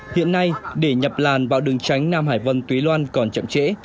hiện nay để nhập làn vào đường tránh nam hải vân túy loan còn chậm trễ